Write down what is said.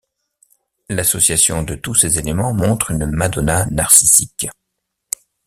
L'association de tous ces éléments montre une Madonna narcissique.